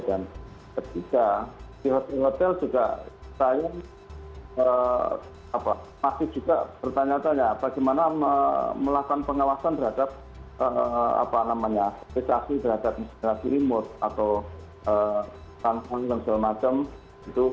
dan ketiga di hotel juga saya masih juga bertanya tanya bagaimana melakukan pengawasan terhadap spesiasi terhadap miskinasi remote atau tanpa konsol macam itu